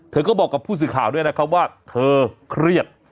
เธอก็บอกกับผู้สื่อข่าวด้วยนะครับว่าเธอเครียด